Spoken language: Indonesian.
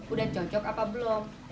udah cocok apa belum